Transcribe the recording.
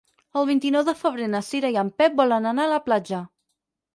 El vint-i-nou de febrer na Cira i en Pep volen anar a la platja.